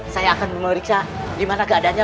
saya akan memeriksa dimana keadaannya